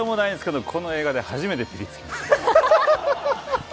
この映画で初めてピリつきました。